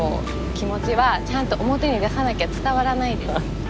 気持ちはちゃんと表に出さなきゃ伝わらないです。